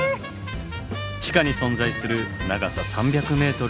地下に存在する長さ３００ｍの特殊な装置。